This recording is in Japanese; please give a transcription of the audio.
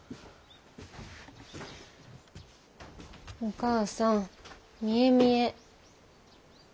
お母さん見え見え。